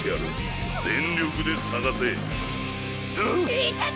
・・いたぞ！